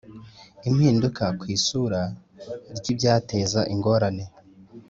Impinduka ku isura ry ibyateza ingorane